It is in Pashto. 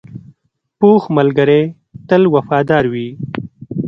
پوخ ملګری تل وفادار وي